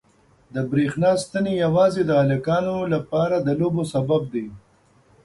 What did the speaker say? د برېښنا ستنې یوازې د هلکانو لپاره د لوبو سبب دي.